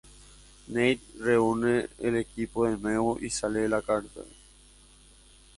Nate reúne el equipo de nuevo y sale de la cárcel.